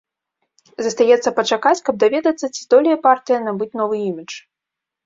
Застаецца пачакаць, каб даведацца, ці здолее партыя набыць новы імідж.